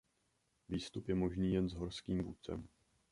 Výstup je možný jen s horským vůdcem.